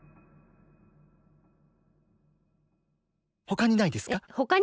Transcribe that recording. ほかにないですか？